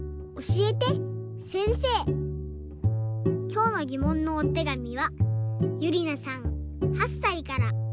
きょうのぎもんのおてがみはゆりなさん８さいから。